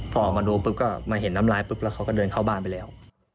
พอออกมาดูปุ๊บก็มาเห็นน้ำลายปุ๊บแล้วเขาก็เดินเข้าบ้านไปแล้ว